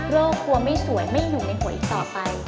โรคคลัวไม่สวยไม่หนุนในหัวอีกต่อไป